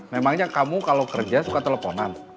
memangnya kamu kalau kerja suka teleponan